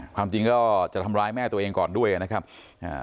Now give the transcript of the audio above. ความจริงก็จะทำร้ายแม่ตัวเองก่อนด้วยนะครับอ่า